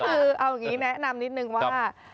คือเอาอย่างนี้แนะนำนิดนึงว่า